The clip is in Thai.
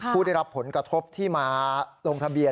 ผู้ได้รับผลกระทบที่มาลงทะเบียน